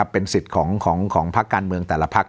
เป็นสิทธิ์ของพักการเมืองแต่ละพัก